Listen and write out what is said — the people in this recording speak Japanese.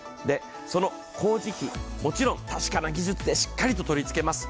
その工事費、もちろん確かな技術でしっかりと取り付けます。